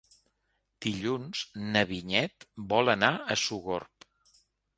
Dilluns na Vinyet vol anar a Sogorb.